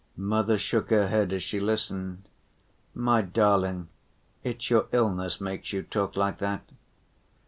Mother shook her head as she listened. "My darling, it's your illness makes you talk like that."